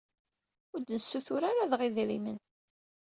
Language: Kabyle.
Ur d-nessutur ara dɣa idrimen.